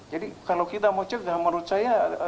jadi kalau kita mau cegah menurut saya